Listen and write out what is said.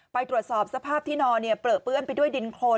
ไปตรวจสอบสภาพที่นอนเปลือเปื้อนไปด้วยดินโครน